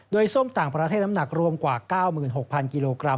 โดยส้มต่างประเทศน้ำหนักรวมกว่า๙๖๐๐กิโลกรัม